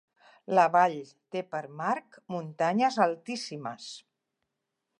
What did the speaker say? La vall té per marc muntanyes altíssimes.